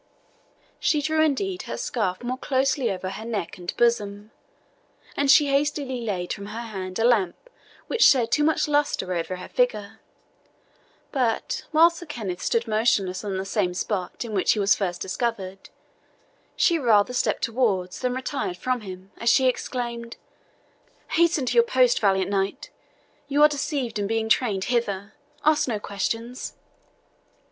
She drew, indeed, her scarf more closely over her neck and bosom, and she hastily laid from her hand a lamp which shed too much lustre over her figure; but, while Sir Kenneth stood motionless on the same spot in which he was first discovered, she rather stepped towards than retired from him, as she exclaimed, "Hasten to your post, valiant knight! you are deceived in being trained hither ask no questions."